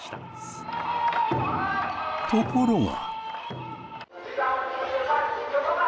ところが。